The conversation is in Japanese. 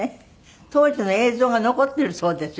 当時の映像が残ってるそうですよ。